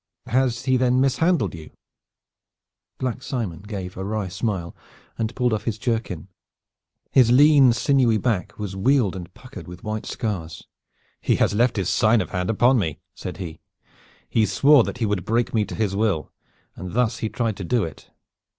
"Has he then mishandled you?" Black Simon gave a wry smile and pulled off his jerkin. His lean sinewy back was waled and puckered with white scars. "He has left his sign of hand upon me," said he. "He swore that he would break me to his will, and thus he tried to do it.